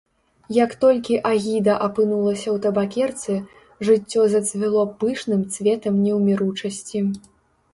Як толькі агіда апынулася ў табакерцы, жыццё зацвіло пышным цветам неўміручасці.